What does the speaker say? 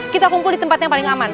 kita kumpul di tempat yang paling aman